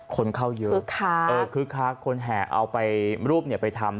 คนเข้าเยอะคือค้าเออคือค้าคนแห่เอาไปรูปเนี่ยไปทำ